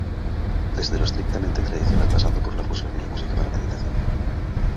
Desde lo estrictamente tradicional pasando por la fusión y la música para meditación.